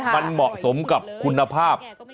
มันเหมาะสมกับคุณภาพ